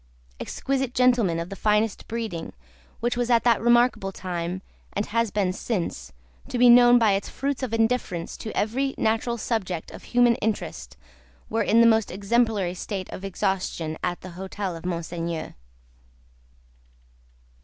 Exquisite gentlemen of the finest breeding, which was at that remarkable time and has been since to be known by its fruits of indifference to every natural subject of human interest, were in the most exemplary state of exhaustion, at the hotel of Monseigneur.